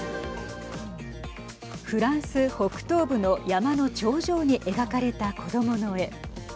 フランス北東部の山の頂上に描かれた子どもの絵。